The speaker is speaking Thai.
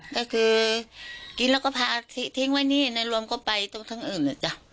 ก็คือกินแล้วก็ทิ้งไว้นี่ในรวมก็ไปตรงทั้งอื่น